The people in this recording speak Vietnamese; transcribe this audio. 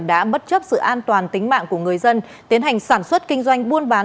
đã bất chấp sự an toàn tính mạng của người dân tiến hành sản xuất kinh doanh buôn bán